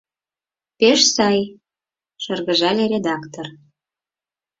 Пеш сай, — шыргыжале редактор.